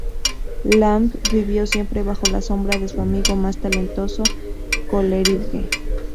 Lamb vivió siempre bajo la sombra de su amigo más talentoso, Coleridge.